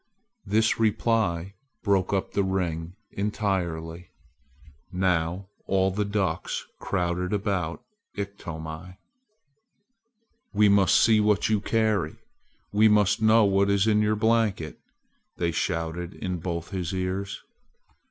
This reply broke up the ring entirely. Now all the ducks crowded about Iktomi. "We must see what you carry! We must know what is in your blanket!" they shouted in both his ears.